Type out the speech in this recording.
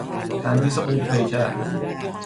تندیس غول پیکر